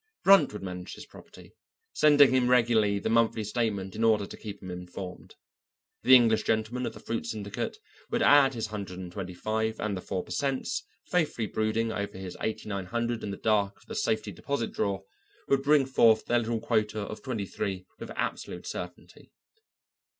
Brunt would manage his property, sending him regularly the monthly statement in order to keep him informed. The English gentleman of the fruit syndicate would add his hundred and twenty five, and the 4 per cents., faithfully brooding over his eighty nine hundred in the dark of the safety deposit drawer, would bring forth their little quota of twenty three with absolute certainty.